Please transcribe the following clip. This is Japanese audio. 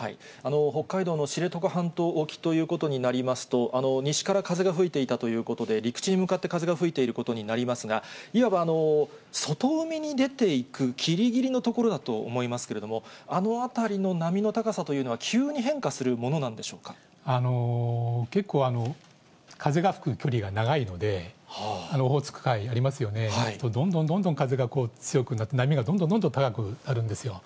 北海道の知床半島沖ということになりますと、西から風が吹いていたということで、陸地に向かって風が吹いていることになりますが、いわば、外海に出ていくぎりぎりの所だと思いますけれども、あの辺りの波の高さというのは、結構、風が吹く距離が長いので、オホーツク海ありますよね、そうすると、どんどんどんどん強く、波がどんどんどんどん高くなるんですよ。